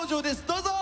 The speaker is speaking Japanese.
どうぞ！